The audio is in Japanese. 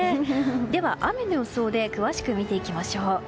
では、雨の予想で詳しく見ていきましょう。